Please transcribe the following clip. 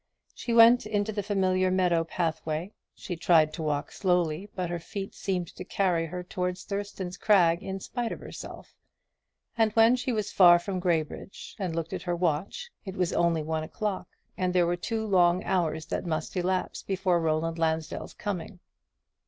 She went into the familiar meadow pathway; she tried to walk slowly, but her feet seemed to carry her towards Thurston's Crag in spite of herself; and when she was far from Graybridge, and looked at her watch, it was only one o'clock, and there were two long hours that must elapse before Roland Lansdell's coming.